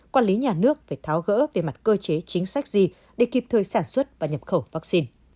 quản lý nhà nước phải tháo gỡ về mặt cơ chế chính sách gì để kịp thời sản xuất và nhập khẩu vaccine